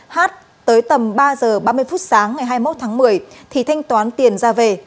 hát tới tầm ba h ba mươi phút sáng ngày hai mươi một tháng một mươi thì thanh toán tiền ra về